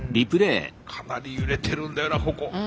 かなり揺れてるんだよなここ。